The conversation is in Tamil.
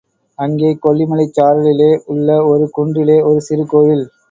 அங்கே கொல்லிமலைச் சாரலிலே உள்ள ஒரு குன்றிலே ஒரு சிறு கோயில்.